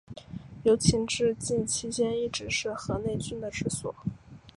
由秦至晋期间一直是河内郡的治所。